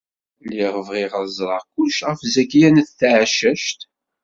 Lliɣ bɣiɣ ad ẓreɣ kullec ɣef Zakiya n Tɛeccact.